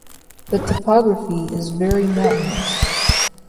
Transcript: The topography is very mountainous.